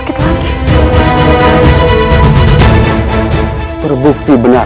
nah kebaikan dia kalau conocat kita mandan